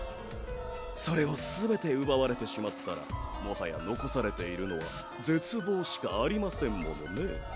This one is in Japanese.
それをすべて奪われてしまったらもはや残されているのは絶望しかありませんものね。